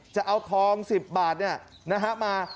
จะเอาทองสิบบาทเนี่ยนะฮะมา